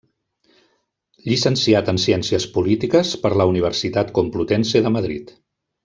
Llicenciat en Ciències Polítiques per la Universitat Complutense de Madrid.